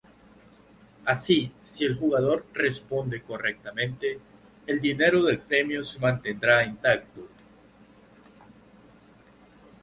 Así, si el jugador responde correctamente, el dinero del premio se mantendrá intacto.